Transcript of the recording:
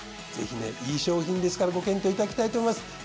ぜひねいい商品ですからご検討いただきたいと思います。